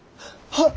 はっ！